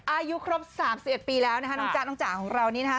อายุครบ๓๑ปีแล้วนะคะน้องจ๊ะน้องจ๋าของเรานี้นะคะ